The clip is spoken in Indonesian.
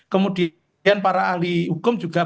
kemudian para ahli hukum juga